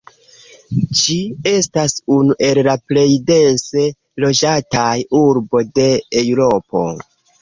Ĝi estas unu el la plej dense loĝataj urbo de Eŭropo.